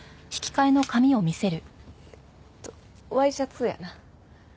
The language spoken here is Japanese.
えっとワイシャツやな。